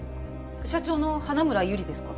社長の花村友梨ですか？